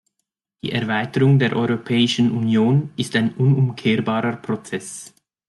Die Erweiterung der Europäischen Union ist ein unumkehrbarer Prozess.